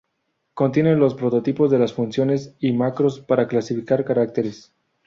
Contiene los prototipos de las funciones y macros para clasificar caracteres.